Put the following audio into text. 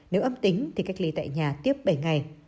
nếu âm tính thì cách ly tại nhà tiếp bảy ngày